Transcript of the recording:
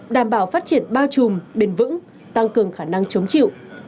đảm bảo phát triển bao trùm bền vững tăng cường khả năng chống chịu